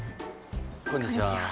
こんにちは。